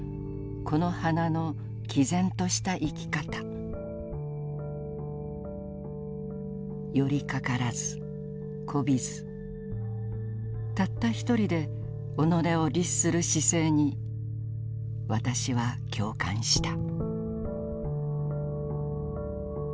この花の毅然とした生き方よりかからず媚びずたったひとりで己を律する姿勢に私は共感した」。